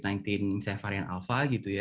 misalnya varian alfa